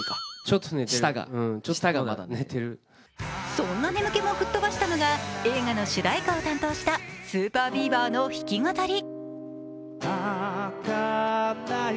そんな眠気も吹っ飛ばしたのが映画の主題かを担当したＳＵＰＥＲＢＥＡＶＥＲの弾き語り。